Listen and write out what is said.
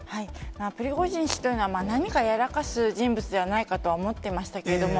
プリゴジン氏というのは、何かやらかす人物ではないかとは思っていましたけれども、